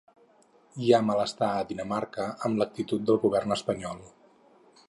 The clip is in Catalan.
Hi ha malestar a Dinamarca amb l’actitud del govern espanyol.